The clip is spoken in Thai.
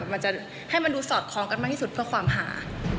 มันจะให้มันดูสอดคล้องกันมากที่สุดเพื่อความหา